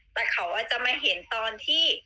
แต่เขาจะมาเห็นตอนที่